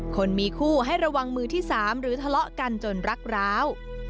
คนมีคู่ให้ระวังมือที่๓หรือทะเลาะกันจนรักร้าว